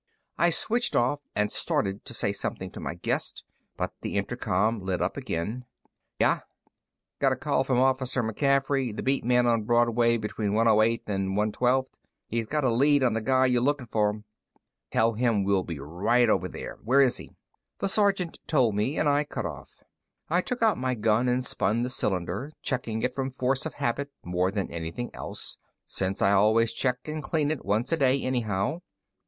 I switched off and started to say something to my guest, but the intercom lit up again. "Yeah?" "Got a call in from Officer McCaffery, the beat man on Broadway between 108th and 112th. He's got a lead on the guy you're looking for." "Tell him we'll be right over. Where is he?" The sergeant told me, and I cut off. I took out my gun and spun the cylinder, checking it from force of habit more than anything else, since I always check and clean it once a day, anyhow.